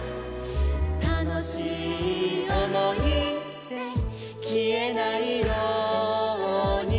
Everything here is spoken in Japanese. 「たのしいおもいできえないように」